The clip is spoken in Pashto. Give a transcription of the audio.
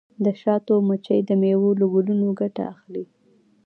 د شاتو مچۍ د میوو له ګلونو ګټه اخلي.